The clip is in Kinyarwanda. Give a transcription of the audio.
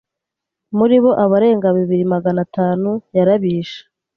muri bo abarenga bibiri Magana atanu yarabishe.